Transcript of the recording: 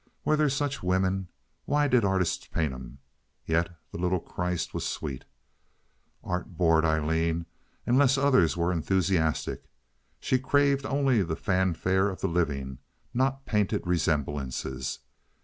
Were there such women? Why did artists paint them? Yet the little Christ was sweet. Art bored Aileen unless others were enthusiastic. She craved only the fanfare of the living—not painted resemblances.